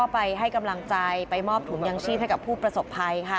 ไปให้กำลังใจไปมอบถุงยางชีพให้กับผู้ประสบภัยค่ะ